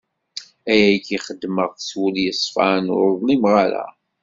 Ayagi xedmeɣ-t s wul yeṣfan, ur ḍlimeɣ ara!